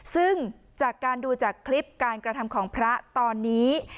ซึ่งจากการดูจากคลิปการกระทำของพระตอนนี้